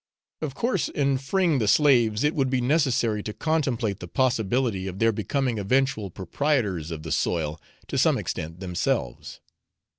Of course, in freeing the slaves, it would be necessary to contemplate the possibility of their becoming eventual proprietors of the soil to some extent themselves.